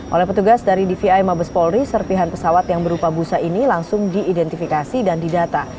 oleh petugas dari dvi mabes polri serpihan pesawat yang berupa busa ini langsung diidentifikasi dan didata